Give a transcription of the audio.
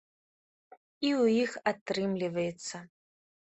І ў іх атрымліваецца.